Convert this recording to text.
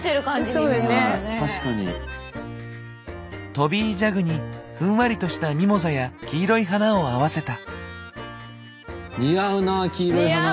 トビージャグにふんわりとしたミモザや黄色い花を合わせた。